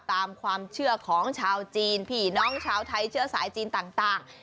ตามความเชื่อของชาวจีนผีน้องชาวไทยเชื้อสายจีนต่าง